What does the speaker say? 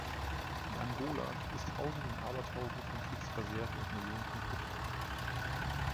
In Angola gibt es Tausende und Abertausende von Kriegsversehrten und Millionen von Flüchtlingen.